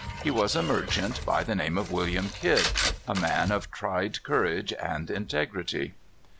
He was a merchant, by the name of William Kidd, a man of tried courage and integrity.